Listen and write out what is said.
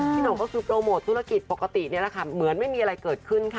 หน่งก็คือโปรโมทธุรกิจปกตินี่แหละค่ะเหมือนไม่มีอะไรเกิดขึ้นค่ะ